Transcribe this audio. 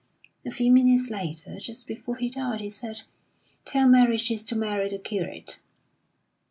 A few minutes later, just before he died, he said: 'Tell Mary she's to marry the curate.'